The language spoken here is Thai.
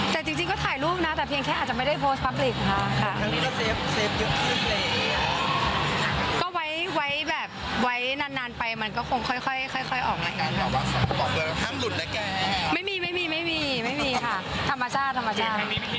จะมีความสับพอว่างเพิ่งพิเศษหรือเปล่าเนี้ย